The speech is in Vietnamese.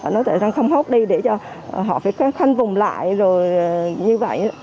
nói thật ra không hốt đi để cho họ phải khăn vùng lại rồi như vậy